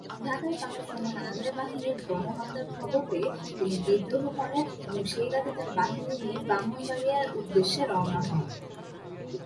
ঢাকায় পাকিস্তানি হানাদার বাহিনীর গণহত্যার খবর পেয়ে তিনি বিদ্রোহ করেন এবং সেই রাতে তার বাহিনী নিয়ে ব্রাহ্মণবাড়িয়ার উদ্দেশ্যে রওনা হন।